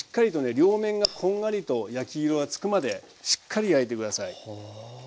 両面がこんがりと焼き色がつくまでしっかり焼いて下さい。